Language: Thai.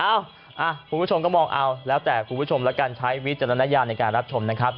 คุณผู้ชมก็มองเอาแล้วแต่คุณผู้ชมแล้วกันใช้วิจารณญาณในการรับชมนะครับ